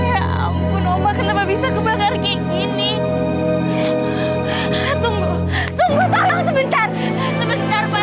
ya ampun apa kenapa bisa kebakar gini tunggu tunggu tolong sebentar sebentar pak